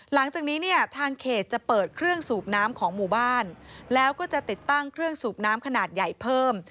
หลังจากนี้เนี่ยทางเขตจะเปิดเครื่องสูบน้ำของหมู่บ้านแล้วก็จะติดตั้งเครื่องสูบน้ำขนาดใหญ่เพิ่ม